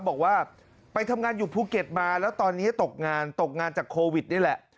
บอกว่าไปทำงานอยู่ภูเก็ตมาแล้วตอนนี้ตกงานตกงานจากโควิดนี่แหละ